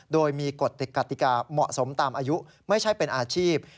โดยมีกฎกติกาเหมาะสมตามอายุไม่ใช่เป็นอาชีพ